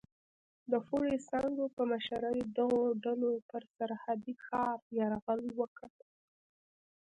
د فوډي سانکو په مشرۍ دغو ډلو پر سرحدي ښار یرغل وکړ.